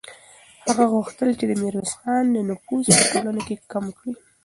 هغه غوښتل چې د میرویس خان نفوذ په ټولنه کې کم کړي.